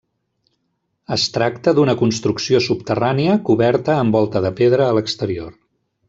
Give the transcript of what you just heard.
Es tracta d'una construcció subterrània coberta amb volta de pedra a l'exterior.